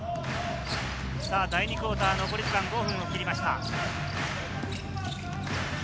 第２クオーター、残り時間５分を切りました。